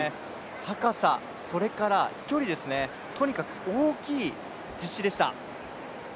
高さ、それから飛距離とにかく大きい実施でした。